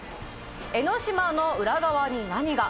「江の島の裏側に何が！？